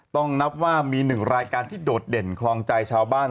ต้องนับว่ามีหนึ่งรายการที่โดดเด่นคลองใจชาวบ้าน